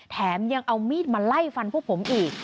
แถมยังเอามีดมาไล่ฟันพวกผมอีก